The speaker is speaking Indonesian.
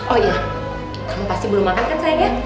oh iya kamu pasti belum makan kan sayang ya